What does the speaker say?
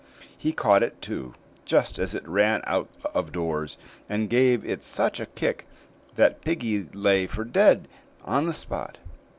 He caught it, too, just as it ran out of doors, and gave it such a kick that piggy lay for dead on the spot.